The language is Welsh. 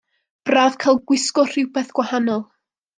Braf cael gwisgo rhywbeth gwahanol.